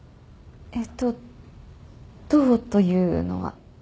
えっとどうというのは？